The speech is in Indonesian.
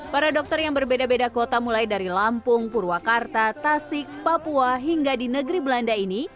para dokter yang berbeda beda kota mulai dari lampung purwakarta tasik papua hingga di negeri belanda ini